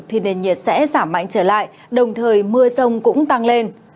thì nền nhiệt sẽ giảm mạnh trở lại đồng thời mưa sông cũng tăng lên